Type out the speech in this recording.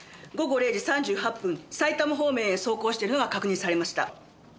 午後０時３８分埼玉方面へ走行しているのが確認されました。